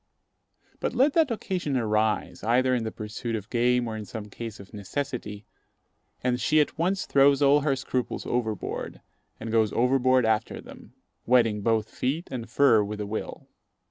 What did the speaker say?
But let the occasion arise, either in the pursuit of game or in some case of necessity, and she at once throws all her scruples overboard, and goes overboard after them, wetting both feet and fur with a will.